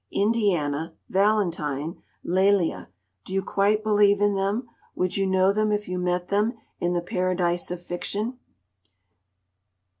Indiana, Valentine, Lélia, do you quite believe in them, would you know them if you met them in the Paradise of Fiction?